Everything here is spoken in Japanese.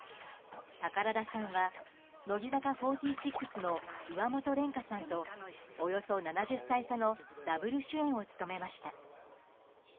宝田さんは乃木坂４６の岩本蓮加さんとおよそ７０歳差のダブル主演を務めました。